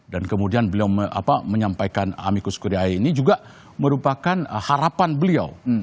dan kemudian beliau menyampaikan amicus curiae ini juga merupakan harapan beliau